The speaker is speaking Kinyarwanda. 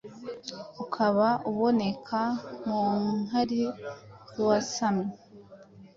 ukaba uboneka mu nkari z’uwasamye